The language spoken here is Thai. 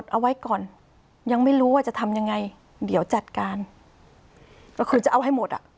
เอาไว้ก่อนยังไม่รู้ว่าจะทำยังไงเดี๋ยวจัดการก็คือจะเอาให้หมดอ่ะ